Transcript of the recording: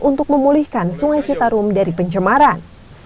untuk memulihkan sungai citarum dari pencemaran